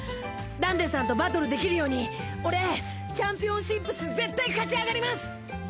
ダンデさんとバトルできるように俺チャンピオンシップス絶対勝ち上がります！